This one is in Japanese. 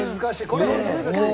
これは本当難しい。